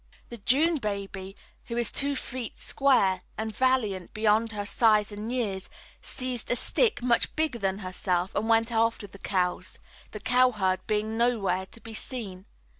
The June baby, who is two feet square and valiant beyond her size and years, seized a stick much bigger than herself and went after the cows, the cowherd being nowhere to be seen.